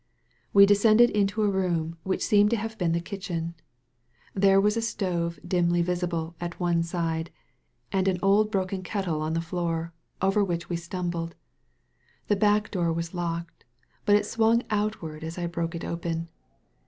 We descended into a room which seemed to have been the kitchen. There was a stove dimly visible at one side, and an old broken kettle on the floor, U A REMEMBERED DREAM over which we stumbled. The back door was locked. But it swung outward as I broke it open.